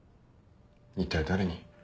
一体誰に？